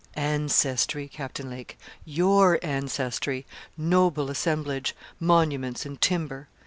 'Ancestry, Captain Lake your ancestry noble assemblage monuments and timber.